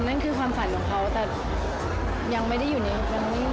นั่นคือความฝันของเขาแต่ยังไม่ได้อยู่ในนี้หรอกยังไม่มีแปลนละ